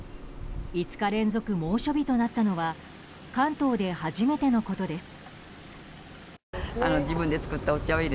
５日連続猛暑日となったのは関東で初めてのことです。